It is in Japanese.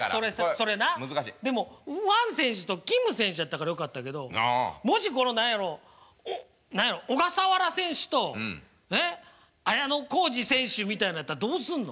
それなでもワン選手とキム選手やったからよかったけどもしこの何やろう何やろう小笠原選手と綾小路選手みたいのやったらどうすんの？